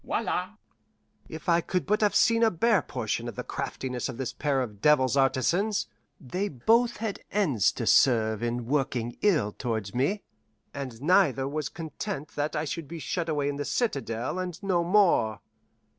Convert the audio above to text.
Voila!" If I could but have seen a bare portion of the craftiness of this pair of devils artisans! They both had ends to serve in working ill to me, and neither was content that I should be shut away in the citadel, and no more.